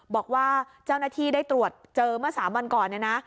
บอกว่าเจ้าหน้าที่ได้ตรวจเจอเมื่อ๓วันก่อน